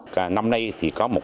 cả năm nay thì có một